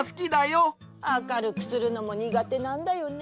あかるくするのもにがてなんだよね。